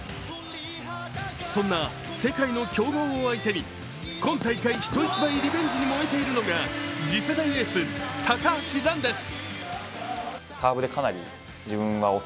そんな世界の強豪を相手に今大会人一倍リベンジに燃えているのが次世代エース・高橋藍です。